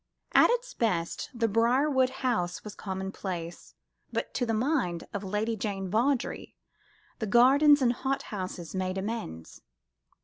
At its best, the Briarwood house was commonplace; but to the mind of Lady Jane Vawdrey, the gardens and hot houses made amends.